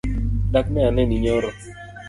Dak ne aneni nyoro?